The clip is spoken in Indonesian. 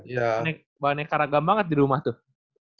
jadi banyak karagam banget di rumah tuh